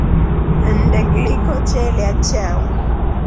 Nnde kliko chelya chao.